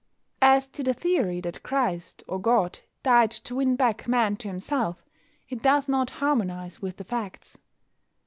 As to the theory that Christ (or God) died to win back Man to Himself, it does not harmonise with the facts.